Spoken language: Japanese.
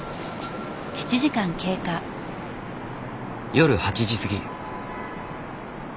夜８時過ぎ。